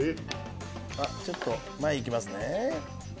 ちょっと前行きますね。